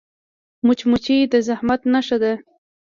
مچمچۍ د زحمت نښه ده